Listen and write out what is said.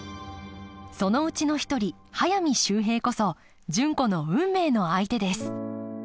そのうちの一人速水秀平こそ純子の運命の相手です